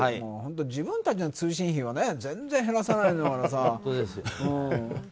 自分たちの通信費は全然減らさないんだからさ。